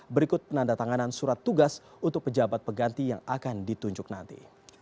berikut penanda tanganan surat tugas untuk pejabat pengganti yang akan ditunjuk nanti